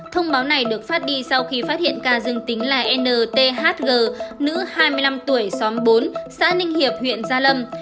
thông báo này được phát đi sau khi phát hiện ca dương tính là nthg nữ hai mươi năm tuổi xóm bốn xã ninh hiệp huyện gia lâm